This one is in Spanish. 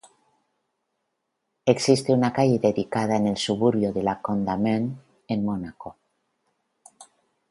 Existe una calle dedicada en el suburbio de La Condamine en Mónaco.